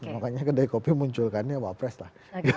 makanya kedai kopi munculkan ini sama pres lah